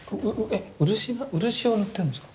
えっ漆漆を塗ってるんですか？